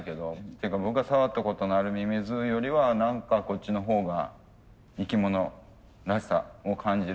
っていうか僕が触ったことのあるミミズよりは何かこっちのほうが生き物らしさを感じる気がしますけどね。